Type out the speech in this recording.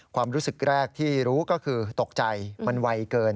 ความรู้สึกแรกที่รู้ก็คือตกใจมันไวเกิน